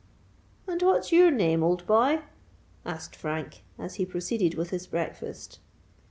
"And what's your name, old boy?" asked Frank, as he proceeded with his breakfast.